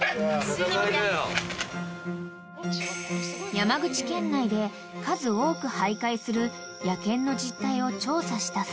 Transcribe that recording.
［山口県内で数多く徘徊する野犬の実態を調査した際］